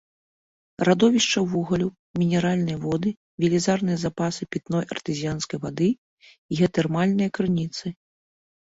Радовішча вугалю, мінеральныя воды, велізарныя запасы пітной артэзіянскай вады, геатэрмальныя крыніцы.